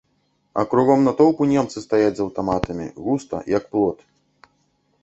А кругом натоўпу немцы стаяць з аўтаматамі, густа, як плот.